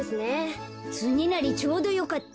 つねなりちょうどよかった。